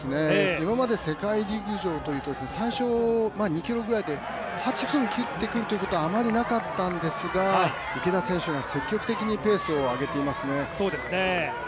今まで世界陸上というと最初、２ｋｍぐらいで８分切ってくるということはあまりなかったんですが池田選手が積極的にペースを上げていますね。